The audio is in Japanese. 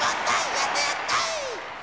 やったやった！